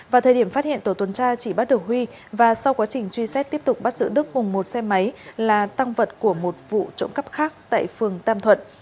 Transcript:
vào thời điểm phát hiện tổ tuần tra chỉ bắt được huy và sau quá trình truy xét tiếp tục bắt giữ đức cùng một xe máy là tăng vật của một vụ trộm cắp khác tại phường tam thuận